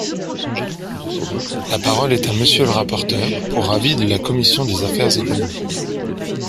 La parole est à Monsieur le rapporteur pour avis de la commission des affaires économiques.